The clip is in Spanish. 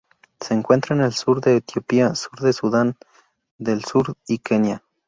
Se encuentra en el sur de Etiopía, sur de Sudán del Sur y Kenia.